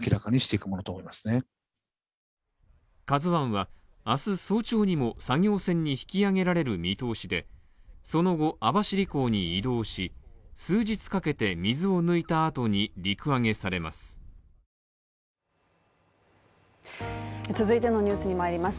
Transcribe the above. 「ＫＡＺＵ１」は明日早朝にも作業船に引き揚げられる見通しで、その後、網走港に移動し、数日かけて水を抜いた後に陸揚げされます。